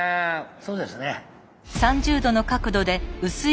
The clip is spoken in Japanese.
そうですね。